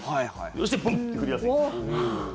そして、ブンッて振りやすい。